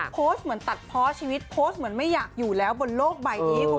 โพสต์เหมือนตัดเพาะชีวิตโพสต์เหมือนไม่อยากอยู่แล้วบนโลกใบนี้คุณ